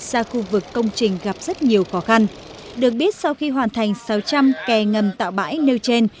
ra khu vực công trình gặp rất nhiều khó khăn được biết sau khi hoàn thành sáu trăm linh kè ngầm tạo bãi nêu trên